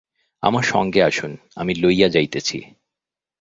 আমার সঙ্গে আসুন, আমি লইয়া যাইতেছি।